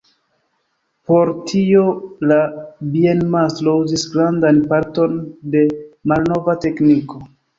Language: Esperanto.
Por tio la bienmastro uzis grandan parton de malnova tekniko.